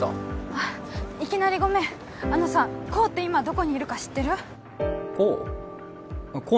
あっいきなりごめんあのさ功って今どこにいるか知ってる？功？